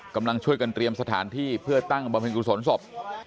กำลังช่วยกันเตรียมสถานที่เพื่อตั้งบำเพ็ญกุศลศพ